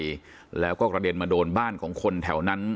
ไปแล้วก็กระเด็นมาโดนบ้านของคนแถวนั้น